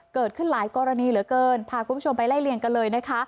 เกิดขึ้นหลายกรณีเหลือเกินพาคุณผู้ชมไปไล่เลี่ยงกันเลยนะคะ